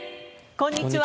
こんにちは。